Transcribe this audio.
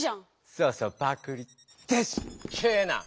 そうそうパクリってしっけいな！